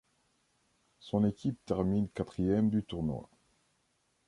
Son équipe termine quatrième du tournoi.